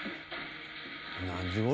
何時頃？